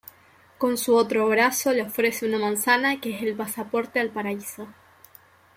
Con su otro brazo le ofrece una manzana que es el pasaporte al Paraíso.